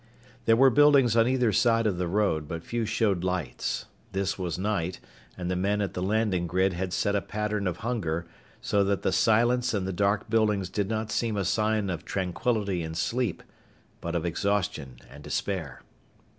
There were buildings on either side of the road, but few showed lights. This was night, and the men at the landing grid had set a pattern of hunger, so that the silence and the dark buildings did not seem a sign of tranquility and sleep, but of exhaustion and despair.